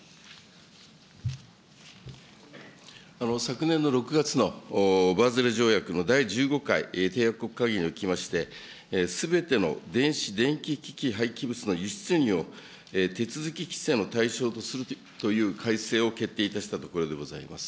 昨年の６月のバーゼル条約の第１５回締約国会議におきまして、すべての電子・電気機器廃棄物の輸出入を手続き規制の対象とするという改正を決定いたしたところでございます。